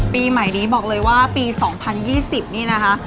ปีใหม่นี้บอกเลยว่าปี๒๐๒๐นี่นะคะ